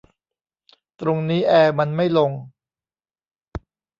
ตรงนี้แอร์มันไม่ลง